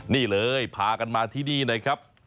นี่เลยพากันมาที่นี่นะครับ